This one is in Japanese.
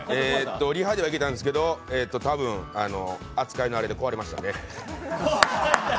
リハではいけたんですけど、たぶん、扱いのあれで壊れましたね。